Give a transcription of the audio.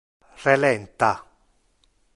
Relenta!